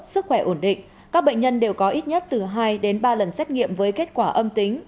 sức khỏe ổn định các bệnh nhân đều có ít nhất từ hai đến ba lần xét nghiệm với kết quả âm tính